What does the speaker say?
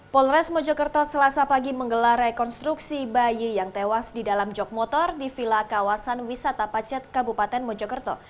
polres mojokerto selasa pagi menggelar rekonstruksi bayi yang tewas di dalam jog motor di vila kawasan wisata pacet kabupaten mojokerto